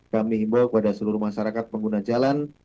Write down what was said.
kami himbau kepada seluruh masyarakat pengguna jalan